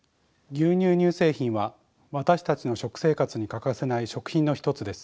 牛乳・乳製品は私たちの食生活に欠かせない食品の一つです。